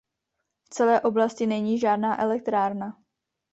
V celé oblasti není žádná elektrárna.